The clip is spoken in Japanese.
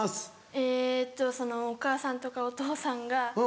えっとお母さんとかお父さんが。